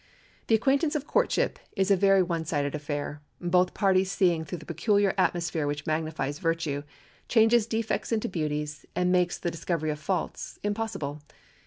The acquaintance of courtship is a very one sided affair, both parties seeing through the peculiar atmosphere which magnifies virtue, changes defects into beauties, and makes the discovery of faults impossible.